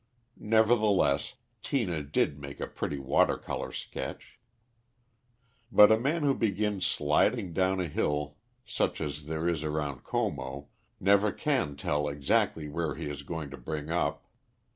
Nevertheless, Tina did make a pretty water colour sketch. But a man who begins sliding down a hill such as there is around Como, never can tell exactly where he is going to bring up.